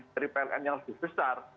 dari pln yang lebih besar